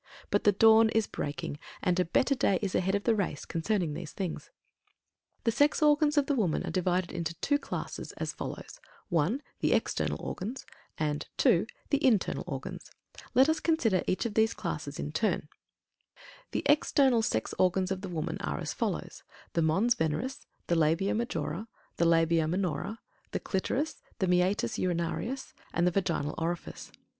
But the dawn is breaking, and a better day is ahead of the race concerning these things. The sex organs of the woman are divided into two classes, as follows: (1) The external organs; and (2) the internal organs. Let us consider each of these classes in turn. THE EXTERNAL SEX ORGANS OF THE WOMAN. The external sex organs of the woman are as follows: The Mons Veneris; the Labia Majora; the Labia Minora; the Clitoris; the Meatus Urinarius; and the Vaginal Orifice.